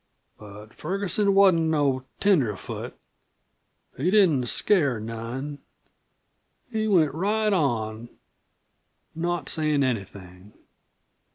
"But Ferguson wasn't no tenderfoot he didn't scare none. He went right on, not sayin' anything.